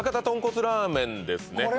とんこつラーメンですね。